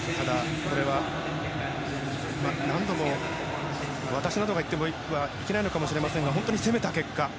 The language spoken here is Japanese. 何度も私などが言ってはいけないのかもしれませんが本当に攻めた結果。